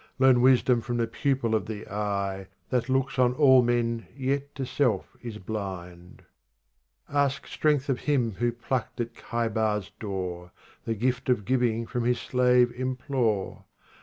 Learn wisdom from the pupil of the eye That looks on all men yet to self is blind. 53 " Ask strength of him who plucked at KLhaibar's â¢ door ; The gift of giving from his slave implore.